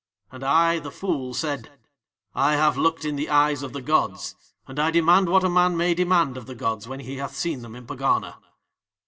"'And I, the fool, said: "I have looked in the eyes of the gods, and I demand what a man may demand of the gods when he hath seen Them in Pegana."